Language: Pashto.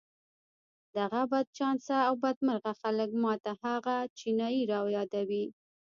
دغه بدچانسه او بدمرغه خلک ما ته هغه چينايي را يادوي.